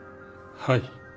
はい。